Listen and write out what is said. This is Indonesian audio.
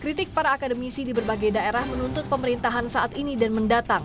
kritik para akademisi di berbagai daerah menuntut pemerintahan saat ini dan mendatang